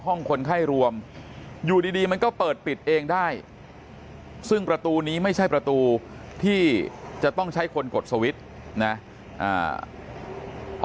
คนไข้รวมอยู่ดีมันก็เปิดปิดเองได้ซึ่งประตูนี้ไม่ใช่ประตูที่จะต้องใช้คนกดสวิตช์นะ